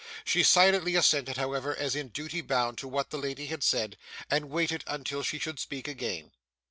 She silently assented, however, as in duty bound, to what the lady had said, and waited until she should speak again.